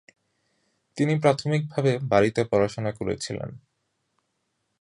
তিনি প্রাথমিকভাবে বাড়িতে পড়াশোনা করেছিলেন।